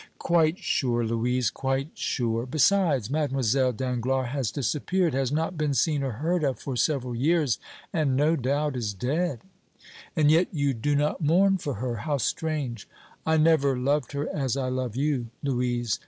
"Quite sure, Louise, quite sure. Besides, Mlle. Danglars has disappeared, has not been seen or heard of for several years, and, no doubt, is dead." "And yet you do not mourn for her! How strange!" "I never loved her as I love you, Louise.